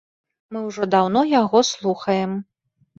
Мы ўжо даўно яго слухаем.